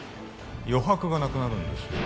余白がなくなるんですよ